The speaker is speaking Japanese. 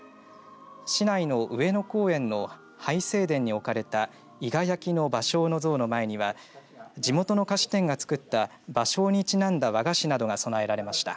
市内の上野公園の俳聖殿に置かれた伊賀焼の芭蕉の像の前には地元の菓子店が作った芭蕉にちなんだ和菓子などが供えられました。